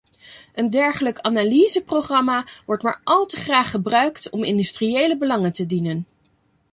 Een dergelijk analyseprogramma wordt maar al te graag gebruikt om industriële belangen te dienen.